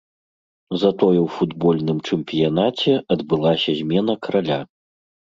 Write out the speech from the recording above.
Затое ў футбольным чэмпіянаце адбылася змена караля.